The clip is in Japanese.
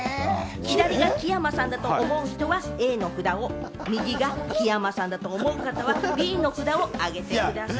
左が木山さんだと思う人はＡの札を、右が木山さんだと思う方はＢの札を上げてください。